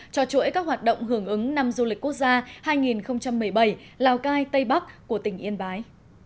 cho chuỗi các hoạt động hưởng ứng năm du lịch quốc gia hai nghìn một mươi bảy lào cai tây bắc của tỉnh yên bái